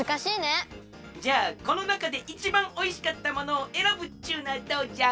じゃあこのなかでいちばんおいしかったものをえらぶっちゅうのはどうじゃ？